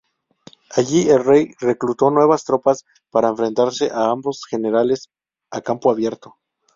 Allí el rey reclutó nuevas tropas para enfrentarse a ambos generales en campo abierto.